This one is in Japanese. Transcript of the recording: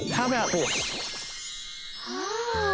ああ！